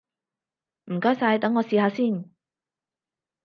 唔該晒，等我試下先！